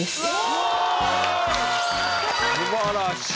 すばらしい。